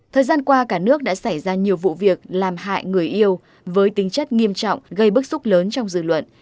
thời gian qua cả nước đã xảy ra nhiều vụ việc làm hại người yêu với tính chất nghiêm trọng gây bức xúc lớn trong dự luận